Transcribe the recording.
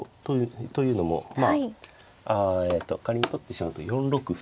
というのもまあえと仮に取ってしまうと４六歩と打たれまして。